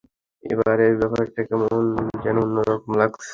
এইবারে ব্যাপারটা কেমন যেন অন্যরকম লাগছে।